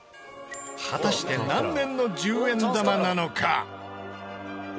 果たして何年の１０円玉なのか？